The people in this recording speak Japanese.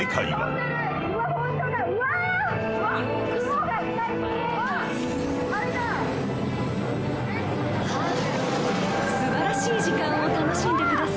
素晴らしい時間を楽しんでください。